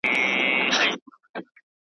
ویل یې زندګي خو بس په هجر تمامېږي .